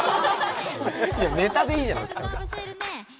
いやネタでいいじゃないですか。